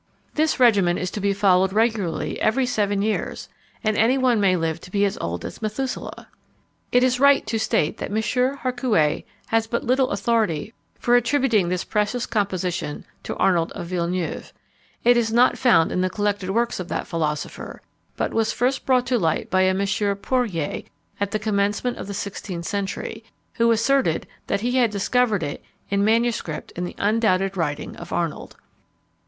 This regimen is to be followed regularly every seven years, and any one may live to be as old as Methuselah! It is right to state that M. Harcouet has but little authority for attributing this precious composition to Arnold of Villeneuve. It is not found in the collected works of that philosopher; but was first brought to light by a M. Poirier, at the commencement of the sixteenth century, who asserted that he had discovered it in MS. in the undoubted writing of Arnold.